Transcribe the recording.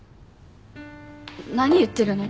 何言ってるの？